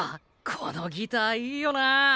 このギターいいよなぁ。